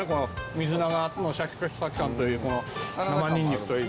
水菜のシャキシャキ感といいこの生ニンニクといい。